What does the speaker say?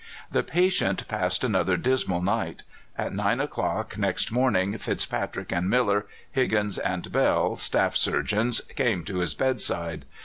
The patient passed another dismal night. At nine o'clock next morning FitzPatrick and Miller, Higgins and Bell, staff surgeons, came to his bedside.